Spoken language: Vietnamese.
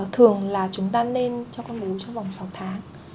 thường là chúng ta nên cho con bú trong vòng sáu tháng